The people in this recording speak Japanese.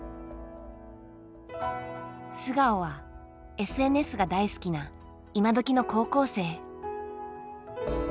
素顔はＳＮＳが大好きな今どきの高校生。